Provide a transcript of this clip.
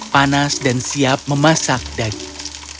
panas dan siap memasak daging